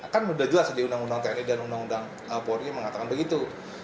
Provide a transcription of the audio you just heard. kan sudah jelas di undang undang tni dan undang undang polri mengatakan begitu